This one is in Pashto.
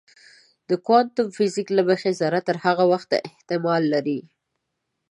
د کوانتم فزیک له مخې ذره تر هغه وخته احتمال لري.